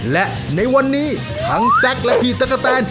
และในวันนี้ทั้งแซ็กและพี่ตะกะแตน